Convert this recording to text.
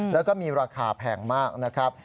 แล้วก็มีราคาแพงมากนะครับ